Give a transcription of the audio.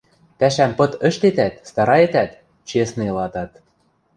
– Пӓшӓм пыт ӹштетӓт, стараетӓт, честный ылатат.